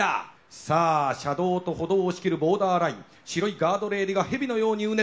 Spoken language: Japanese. さあ車道と歩道を仕切るボーダーライン白いガードレールが蛇のようにうねって見える。